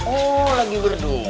oh lagi berduka